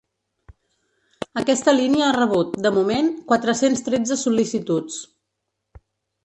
Aquesta línia ha rebut, de moment, quatre-cents tretze sol·licituds.